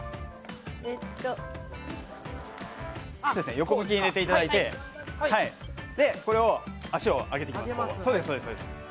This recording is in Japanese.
横向きに寝ていただいて、これを足を上げていきます。